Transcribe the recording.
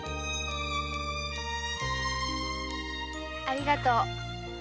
ありがとう。